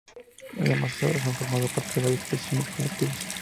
Además, sus obras han formado parte de varias exposiciones colectivas.